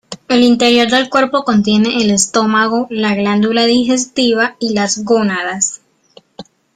El interior del cuerpo contiene el estómago, la glándula digestiva y las gónadas.